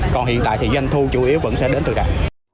còn hiện tại thì doanh thu chủ yếu vẫn sẽ đến từ đài